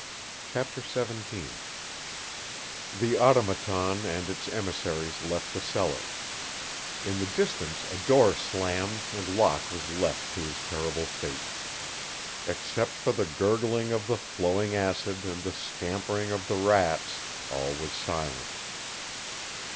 CHAPTER XVII The Automaton and its emissaries left the cellar. In the distance a door slammed and Locke was left to his terrible fate. Except for the gurgling of the flowing acid and the scampering of the rats all was silent.